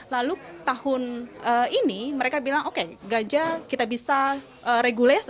lalu tahun ini mereka bilang oke gajah kita bisa reguler